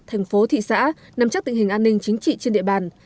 thành phố thị xã nằm chắc tình hình an ninh chính trị trên địa bàn